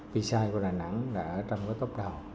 p side của đà nẵng đã ở trong cái cấp đầu